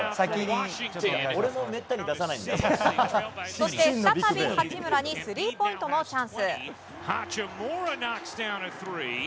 そして、再び八村にスリーポイントのチャンス。